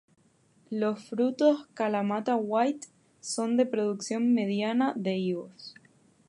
Los frutos 'Kalamata White' son de producción mediana de higos.